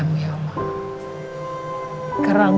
mama selalu happy